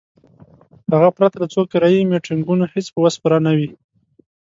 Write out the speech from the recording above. هغه پرته له څو کرایي میټینګونو هیڅ په وس پوره نه وي.